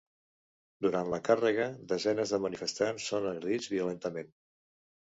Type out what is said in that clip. Durant la càrrega desenes de manifestants són agredits violentament.